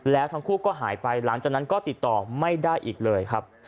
แล้วทั้งคู่ก็หายไปหลังจากนั้นก็ติดต่อไม่ได้อีกเลยครับ